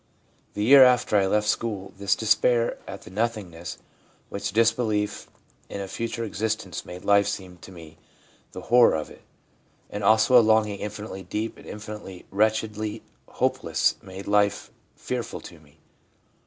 ... The year after I left school, this despair at the nothingness, which disbelief in a future existence made life seem to me— the horror of it, and also a longing infinitely deep and infinitely, wretchedly hopeless, made life fearful to me.